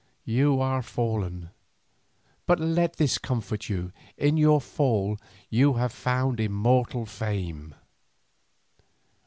"You are fallen, but let this comfort you, in your fall you have found immortal fame."